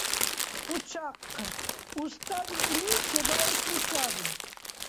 Къучахъ! Уста виъни чебаэсли саби!